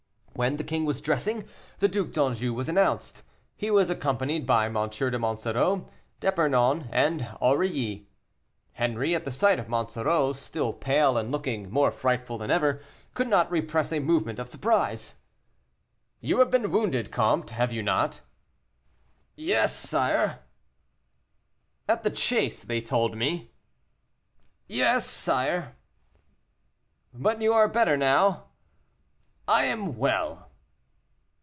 When the king was dressing, the Duc d'Anjou was announced. He was accompanied by M. de Monsoreau, D'Epernon, and Aurilly. Henri, at the sight of Monsoreau, still pale and looking more frightful than ever, could not repress a movement of surprise. "You have been wounded, comte, have you not?" "Yes, sire." "At the chase, they told me." "Yes sire." "But you are better now?" "I am well."